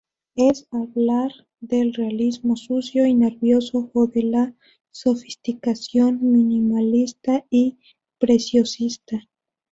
Es hablar del realismo sucio y nervioso o de la sofisticación minimalista y preciosista.